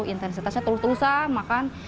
intensitasnya terus terusan makan